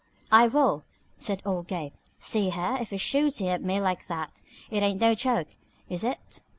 "I will!" said old Gabe. "See here, if he's shootin' at me like that, it ain't no joke, is it?